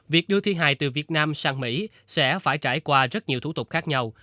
việc đưa thi hài từ việt nam sang mỹ sẽ phải trải qua rất nhiều thủ tục khác nhau